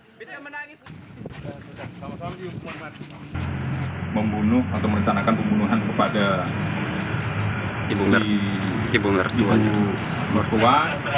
membunuh atau merencanakan pembunuhan kepada ibu mertua